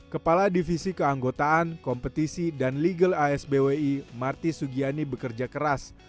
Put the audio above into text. kepala divisi keanggotaan kompetisi dan legal asbwi marti sugiani bekerja keras